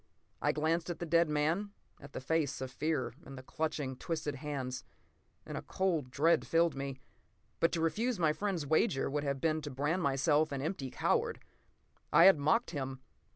I glanced at the dead man, at the face of fear and the clutching, twisted hands, and a cold dread filled me. But to refuse my friend's wager would have been to brand myself an empty coward. I had mocked him.